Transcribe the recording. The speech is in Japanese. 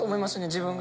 自分が。